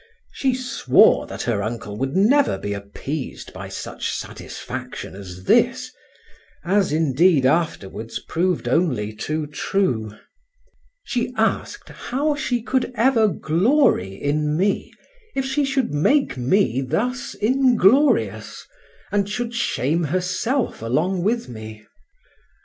She swore that her uncle would never be appeased by such satisfaction as this, as, indeed, afterwards proved only too true. She asked how she could ever glory in me if she should make me thus inglorious, and should shame herself along with me.